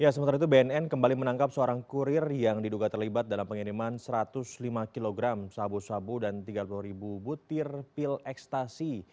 sementara itu bnn kembali menangkap seorang kurir yang diduga terlibat dalam pengiriman satu ratus lima kg sabu sabu dan tiga puluh ribu butir pil ekstasi